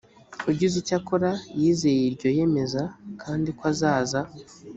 ugize icyo akora yizeye iryo yemeza kandi ko azaza